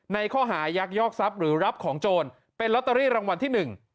ในข้อหายักยอกทรัพย์หรือรับของโจรเป็นลอตเตอรี่รางวัลที่หนึ่ง